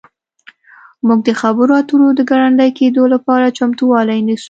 موږ د خبرو اترو د ګړندي کیدو لپاره چمتووالی نیسو